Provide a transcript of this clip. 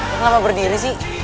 kenapa berdiri sih